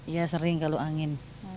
iya sering kalau angin